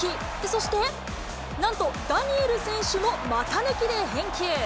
そして、なんと、ダニエル選手も股抜きで返球。